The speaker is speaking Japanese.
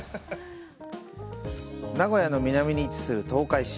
名古屋の南に位置する東海市。